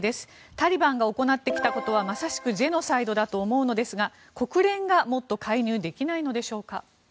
タリバンが行ってきたことはまさしくジェノサイドだと思うのですが国連がもっと介入できないのでしょうか。